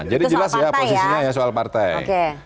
jadi jelas ya posisinya soal partai